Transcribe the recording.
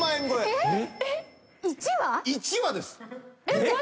１話です。